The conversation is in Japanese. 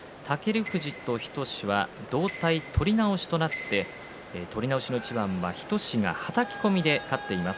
日翔志は同体取り直しとなってその結果、日翔志がはたき込みで勝っています。